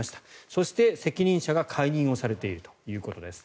そして責任者が解任されているということです。